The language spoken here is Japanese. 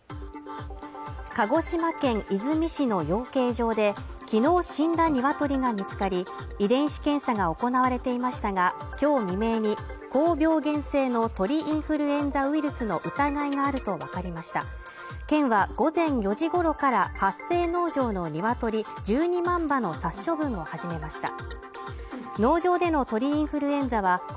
鹿児島県出水市の養鶏場できのう死んだニワトリが見つかり遺伝子検査が行われていましたが今日未明に高病原性の鳥インフルエンザウイルスの疑いがあると分かりました県は午前４時ごろから発生農場のニワトリ１２万羽の殺処分を始めました